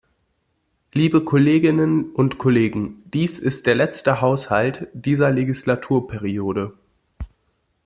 Liebe Kolleginnen und Kollegen, dies ist der letzte Haushalt dieser Legislaturperiode.